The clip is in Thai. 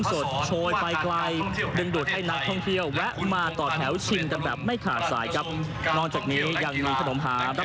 ที่จัดกินบริเวณธนธรรมนาฬาศาสตร์ช่วงสวนนาคาราภิโรงหรือเทศภูมิลินาดุชัยครับ